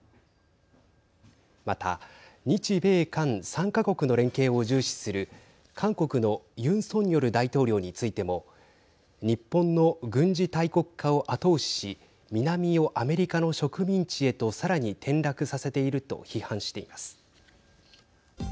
また日米韓３か国の連携を重視する韓国のユン・ソンニョル大統領についても日本の軍事大国化を後押しし南をアメリカの植民地へとさらに転落させていると批判しています。